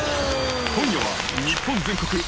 今夜は日本全国